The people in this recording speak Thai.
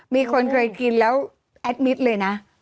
มีคนเคยกินแล้วแอดมิตรเลยนะ